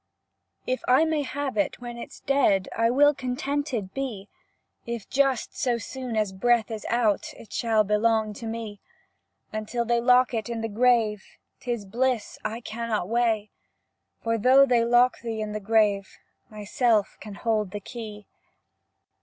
If I may have it when it's dead I will contented be; If just as soon as breath is out It shall belong to me, Until they lock it in the grave, 'T is bliss I cannot weigh, For though they lock thee in the grave, Myself can hold the key.